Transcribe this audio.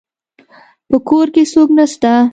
په کور کي څوک نسته